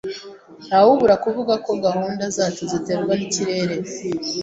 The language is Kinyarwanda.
Ntawabura kuvuga ko gahunda zacu ziterwa nikirere.